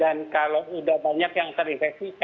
dan kalau sudah banyak yang terinfeksi